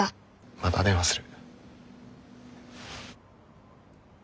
また電話する。